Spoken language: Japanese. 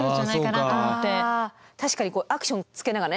確かにこうアクションつけながらね。